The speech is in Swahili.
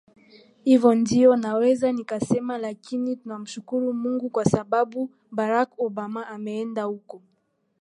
hivo ndio naweza nikasema lakini tunamushukuru mungu kwa sababu barak obama ameenda huko